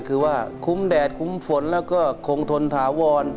คือว่าคุ้มแดดคุ้มฝนแล้วก็คงทนถาวร